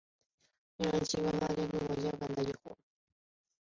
其外观令发现的科学家感到疑惑。